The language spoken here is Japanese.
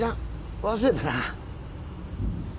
忘れたな。